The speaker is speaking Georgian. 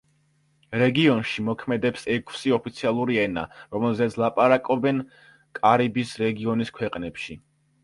რეგიონში მოქმედებს ექვსი ოფიციალური ენა, რომელზეც ლაპარაკობენ კარიბის რეგიონის ქვეყნებში.